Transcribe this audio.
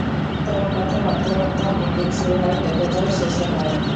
তোমার কথা ভাবতে ভাবতে আমার দিন শুরু হয়, কেটে যায়, শেষও হয়।